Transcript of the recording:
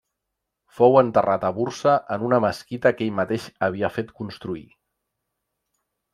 Fou enterrat a Bursa en una mesquita que ell mateix havia fet construir.